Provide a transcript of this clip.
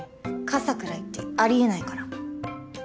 「傘くらい」ってあり得ないから。